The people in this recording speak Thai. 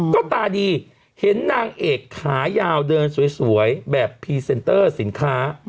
ก็ตาดีเห็นนางเอกขายาวเดินสวยแบบพรีเซนเตอร์สินค้า